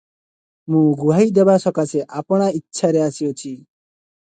ମୁଁ ଗୁହାଇ ଦେବା ସକାଶେ ଆପଣା ଇଛାରେ ଆସିଅଛି ।